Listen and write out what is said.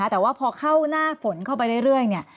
แต่ว่าพอเข้าหน้าฝนเข้าไปเรื่อยเนี่ย